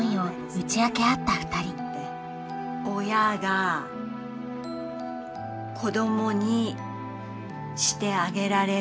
親が子供にしてあげられるのは。